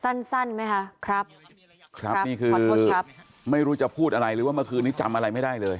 สั้นสั้นไหมคะครับครับนี่คือขอโทษครับไม่รู้จะพูดอะไรหรือว่าเมื่อคืนนี้จำอะไรไม่ได้เลย